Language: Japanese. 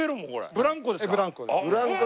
ブランコですか？